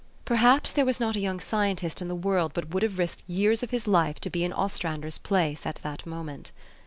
Perhaps there was not a young scientist in the world but would have risked years of his life to be in Ostrander's place at that moment.